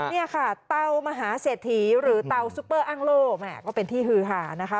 นี่ค่ะเตามหาเศรษฐีหรือเตาซุปเปอร์อ้างโล่แม่ก็เป็นที่ฮือหานะคะ